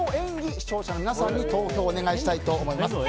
視聴者の皆さんに投票をお願いしたいと思います。